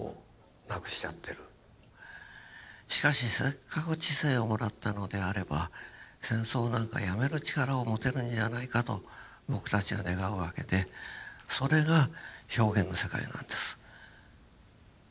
しかしせっかく知性をもらったのであれば戦争なんかやめる力を持てるんじゃないかと僕たちは願うわけでそれが表現の世界なんです。